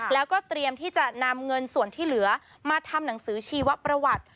แล้วก็เตรียมที่จะนำเงินส่วนที่เหลือมาทำหนังสือชีวประวัติ